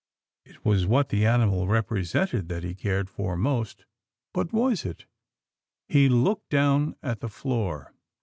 It was what the animal represented that he cared for most — but was it? He looked* down at th^ floor.